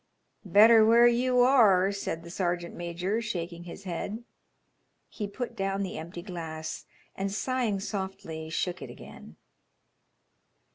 "Better where you are," said the sergeant major, shaking his head. He put down the empty glass, and sighing softly, shook it again.